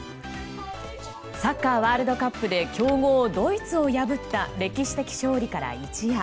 サッカーワールドカップで強豪ドイツを破った歴史的勝利から一夜。